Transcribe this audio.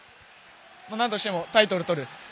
なんとしてもタイトルをとる。